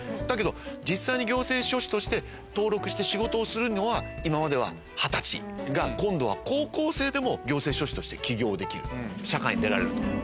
だけど実際に行政書士として登録して仕事をするのは今までは２０歳が今度は高校生でも行政書士として起業できる社会に出られると。